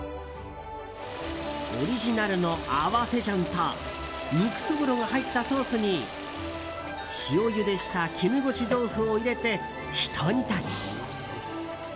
オリジナルの合わせ醤と肉そぼろが入ったソースに塩ゆでした絹ごし豆腐を入れてひと煮立ち。